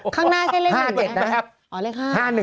ข้างหน้าแค่เลข๕นี่ไหม